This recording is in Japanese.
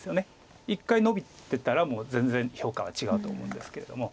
一回ノビてたら全然評価は違うと思うんですけれども。